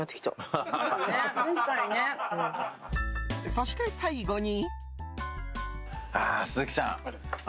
そして、最後に。